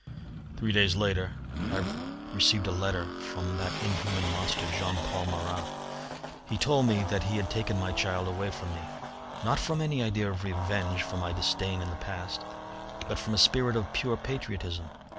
"Three days later I received a letter from that inhuman monster, Jean Paul Marat. He told me that he had taken my child away from me, not from any idea of revenge for my disdain in the past, but from a spirit of pure patriotism.